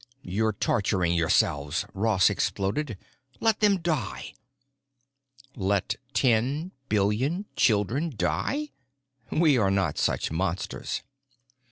"You're torturing yourselves!" Ross exploded. "Let them die." "Let—ten—billion—children—die? We are not such monsters."